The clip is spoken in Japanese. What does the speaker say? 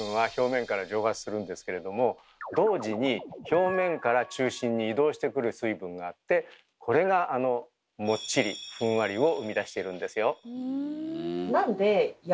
もちろん同時に表面から中心に移動してくる水分があってこれがあのもっちり・ふんわりを生み出しているんですよ。